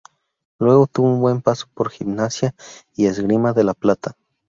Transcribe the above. Luego tuvo un buen paso por Gimnasia y Esgrima de La Plata.